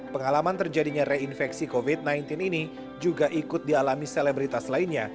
pengalaman terjadinya reinfeksi covid sembilan belas ini juga ikut dialami selebritas lainnya